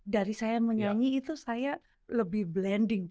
dari saya menyanyi itu saya lebih blending